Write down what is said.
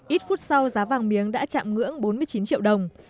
ít phút sau giá vàng miếng đã chạm ngưỡng bốn mươi chín triệu đồng